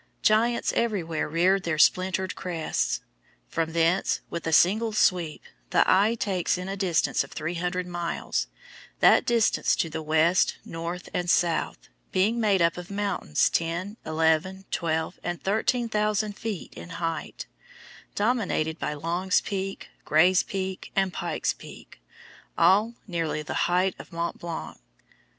Giants everywhere reared their splintered crests. From thence, with a single sweep, the eye takes in a distance of 300 miles that distance to the west, north, and south being made up of mountains ten, eleven, twelve, and thirteen thousand feet in height, dominated by Long's Peak, Gray's Peak, and Pike's Peak, all nearly the height of Mont Blanc!